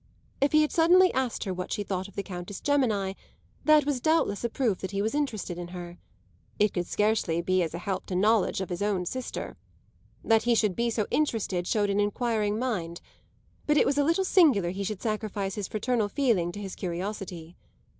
If he had suddenly asked her what she thought of the Countess Gemini, that was doubtless a proof that he was interested in her; it could scarcely be as a help to knowledge of his own sister. That he should be so interested showed an enquiring mind; but it was a little singular he should sacrifice his fraternal feeling to his curiosity.